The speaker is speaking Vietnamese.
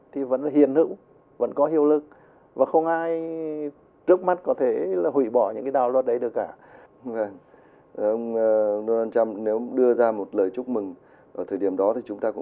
trái triều các nước châu âu ở thời điểm này